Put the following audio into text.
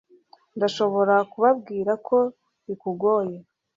ndashobora kubabwira ko bikugoye